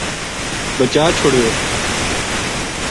بچا چھُریو